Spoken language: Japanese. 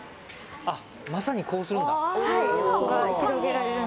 まさに、こうするんだ。